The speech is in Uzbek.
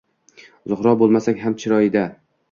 Zuhro bo’lmasang ham chiroyda